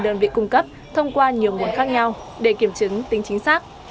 đơn vị cung cấp thông qua nhiều nguồn khác nhau để kiểm chứng tính chính xác